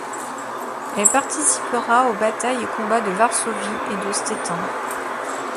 Elle participera aux batailles et combats de Varsovie et de Stettin.